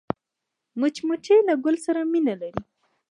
مچمچۍ له ګل سره مینه لري